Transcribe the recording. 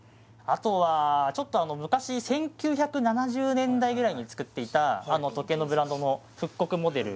あとはちょっとあの昔１９７０年代ぐらいに作っていた時計のブランドの復刻モデル